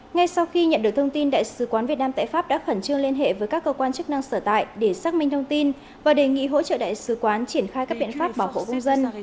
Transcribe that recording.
ngay sau khi nhận được thông tin đại sứ quán việt nam tại pháp đã khẩn trương liên hệ với các cơ quan chức năng sở tại để xác minh thông tin và đề nghị hỗ trợ đại sứ quán triển khai các biện pháp bảo hộ công dân